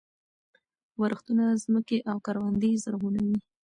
ورښتونه ځمکې او کروندې زرغونوي.